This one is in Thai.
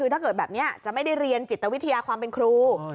ถ้าเกิดแบบนี้จะไม่ได้เรียนจิตวิทยาความเป็นครู